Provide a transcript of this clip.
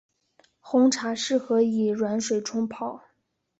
红茶适合以软水冲泡。